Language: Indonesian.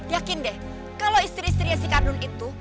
yakin deh kalau istri istrinya si kardun itu